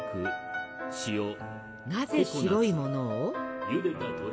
なぜ白いものを？